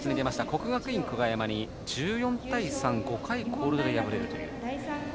国学院久我山に１４対３で５回コールドで敗れるという。